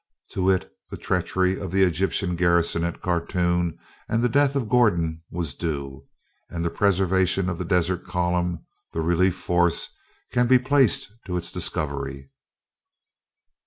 ... To it the treachery of the Egyptian garrison at Khartoum and the death of Gordon was due, and the preservation of the Desert Column (the relief force), can be placed to its discovery."